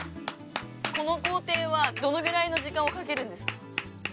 この工程はどのぐらいの時間をかけるんですか？